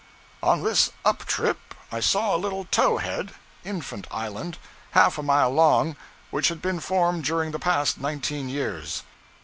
On this up trip I saw a little towhead (infant island) half a mile long, which had been formed during the past nineteen years.